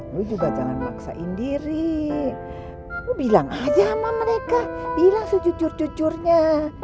lo juga jangan laksain diri lo bilang aja sama mereka bilang sujud judurnya